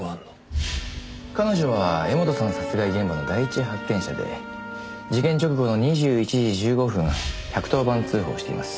彼女は柄本さん殺害現場の第一発見者で事件直後の２１時１５分１１０番通報をしています。